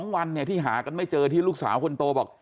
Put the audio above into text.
วันที่หากันไม่เจอที่ลูกสาวคนโตบอก